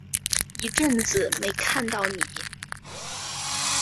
一阵子没看到妳